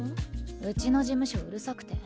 うちの事務所うるさくて。